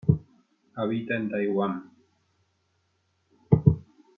Habita en Taiwán.